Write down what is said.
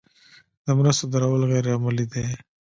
د مرستو درول غیر عملي دي.